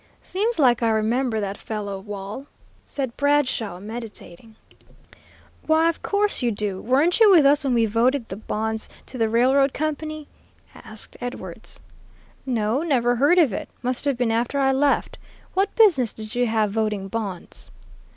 '" "Seems like I remember that fellow Wall," said Bradshaw, meditating. "Why, of course you do. Weren't you with us when we voted the bonds to the railroad company?" asked Edwards. "No, never heard of it; must have been after I left. What business did you have voting bonds?"